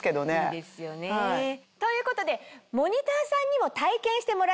いいですよね。ということでモニターさんにも体験してもらいました。